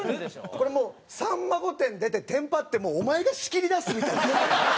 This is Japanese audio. これもう『さんま御殿！！』に出てテンパってお前が仕切りだすみたいな。